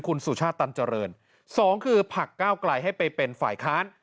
คุณสุชาติตันเจริญสองคือผลักก้าวไกลให้ไปเป็นฝ่ายค้าน